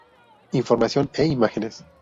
Información e imágenes